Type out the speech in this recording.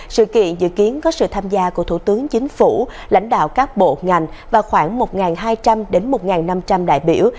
sự kiện dự kiến có sự tham gia của thủ tướng chính phủ lãnh đạo các bộ ngành và khoảng một hai trăm linh đến một năm trăm linh đại biểu